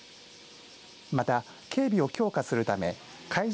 また警備を強化するため会場